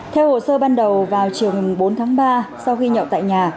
theo hồ sơ ban đầu vào chiều ngày bốn tháng ba sau khi nhậu tại nhà